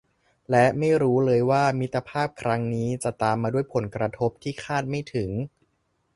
และไม่รู้เลยว่ามิตรภาพครั้งนี้จะตามมาด้วยผลกระทบที่คาดไม่ถึง